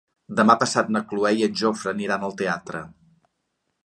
Demà passat na Cloè i en Jofre aniran al teatre.